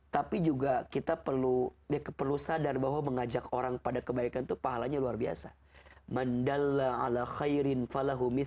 tapi juga kita perlu sadar bahwa mengajak orang pada kebaikan itu pahalanya luar biasa